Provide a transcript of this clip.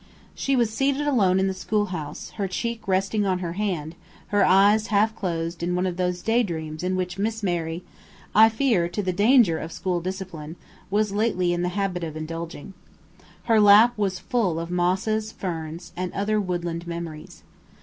She was seated alone in the schoolhouse, her cheek resting on her hand, her eyes half closed in one of those daydreams in which Miss Mary I fear to the danger of school discipline was lately in the habit of indulging. Her lap was full of mosses, ferns, and other woodland memories.